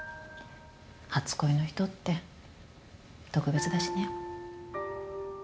初恋の人って特別だしね